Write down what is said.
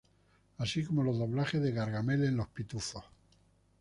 Así como los doblajes de Gargamel en “Los Pitufos.